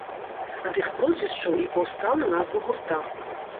Ад іх прозвішчаў і паўстала назва гурта.